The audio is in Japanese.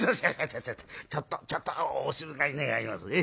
ちょっとちょっとお静かに願います。